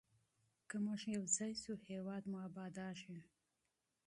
که موږ متحد سو هېواد مو ابادیږي.